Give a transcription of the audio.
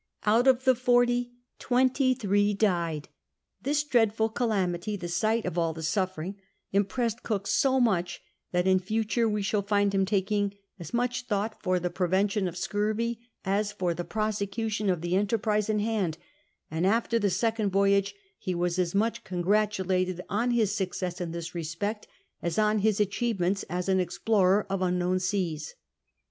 Out of the forty twenty three died. This dreadful calamity— the sight of all the suffering — ^impressed Cook so much that in future we shall find him taking as much thought for the prevention of scurvy as for the prosecution of the enterprise in hand ; and after the second voyage he was as much congratulated on his success in this respect as on his achievements as an explorer of unknown seas.